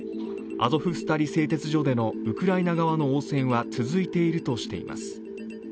アゾフスタリ製鉄所でのウクライナ側の応戦は続いているとしています。